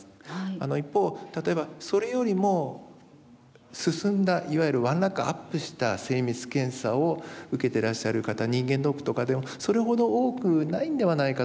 一方例えばそれよりも進んだいわゆるワンランクアップした精密検査を受けてらっしゃる方人間ドックとかでもそれほど多くないんではないかと思うんですね。